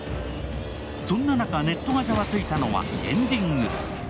そんな中、ネットがざわついたのはエンディング。